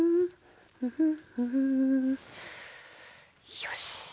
よし。